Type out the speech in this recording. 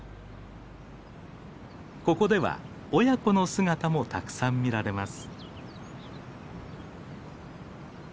ここでは親子の姿もたくさん見られます。